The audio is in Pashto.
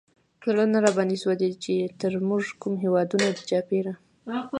زړه نه راباندې سوزي، چې تر مونږ کوم هېوادونه دي چاپېره